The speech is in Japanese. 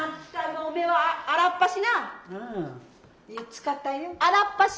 使ったよ。